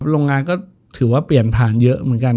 โรงงานก็ถือว่าเปลี่ยนผ่านเยอะเหมือนกัน